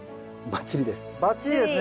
バッチリです。